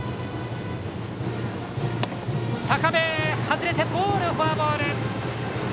高め外れてフォアボール。